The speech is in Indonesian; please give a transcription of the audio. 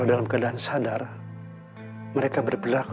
dia tidak akan menangis points itu